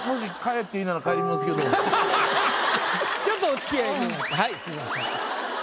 ちょっとお付き合いください。